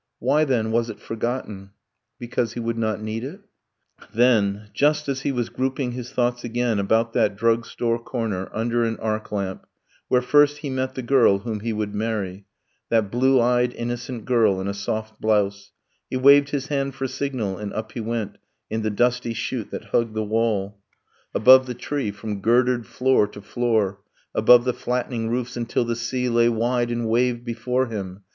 .. Why, then, was it forgotten? Because he would not need it? Then, just as he was grouping his thoughts again About that drug store corner, under an arc lamp, Where first he met the girl whom he would marry, That blue eyed innocent girl, in a soft blouse, He waved his hand for signal, and up he went In the dusty chute that hugged the wall; Above the tree; from girdered floor to floor; Above the flattening roofs, until the sea Lay wide and waved before him